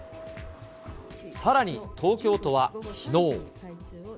さらに、東京都はきのう。